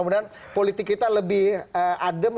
dan politik kita lebih adem